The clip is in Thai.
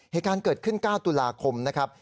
เหตุการณ์เกิดขึ้น๙ตุลาคมนะครับ